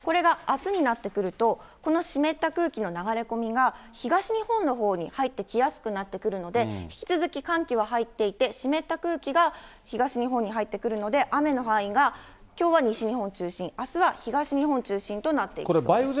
そしてこれがあすになってくると、この湿った空気の流れ込みが東日本のほうに入ってきやすくなってくるので、引き続き寒気は入っていて、湿った空気が東日本に入ってくるので、雨の範囲が、きょうは西日本中心、あすは東日本中心となっていきそうです。